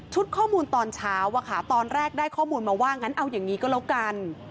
ข้อมูลตอนเช้าอะค่ะตอนแรกได้ข้อมูลมาว่างั้นเอาอย่างนี้ก็แล้วกัน